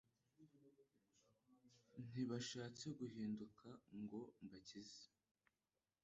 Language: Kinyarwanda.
Ntibashatse guhinduka ngo mbakize.